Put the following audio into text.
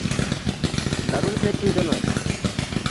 দারুণ খেলেছেন, জনাব!